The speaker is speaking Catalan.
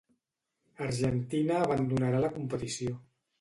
Argentina abandonà la competició.